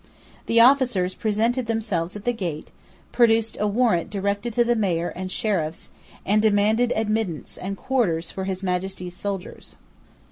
The officers presented themselves at the gate, produced a warrant directed to the Mayor and Sheriffs, and demanded admittance and quarters for his Majesty's soldiers.